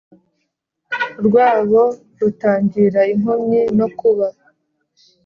rwabo rutangira inkomyi no kuba